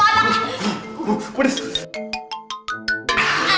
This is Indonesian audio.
aduh pedes be